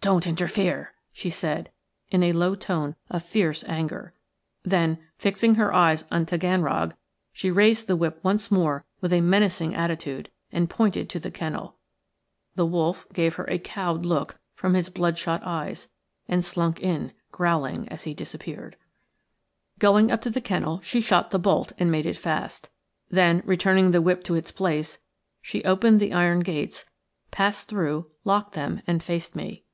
"Don't interfere," she said, in a low tone of fierce anger. Then, fixing her eyes on Taganrog, she raised the whip once more with a menacing attitude and pointed to the kennel. The wolf gave her a cowed look from his bloodshot eyes and slunk in, growling as he disappeared. Going up to the kennel she shot the bolt and made it fast. Then, returning the whip to its place, she opened the iron gates, passed through, locked them, and faced me.